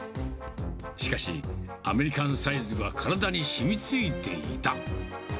しかし、アメリカンサイズが体に染みついていた。